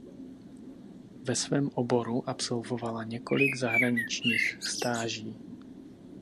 Ve svém oboru absolvovala několik zahraničních stáží.